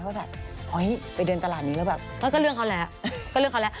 พอแบบไปเดินตลาดนึงแล้วก็เรื่องเขาแล้ว